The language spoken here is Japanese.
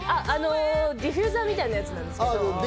ディフューザーみたいなやつです。